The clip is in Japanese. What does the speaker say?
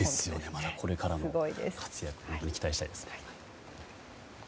まだこれからの活躍にも期待したいですね。